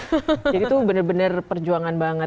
jadi itu bener bener perjuangan banget